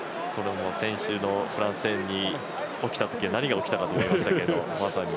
先週のフランス戦で起きた時は何が起きたかと思いましたけど。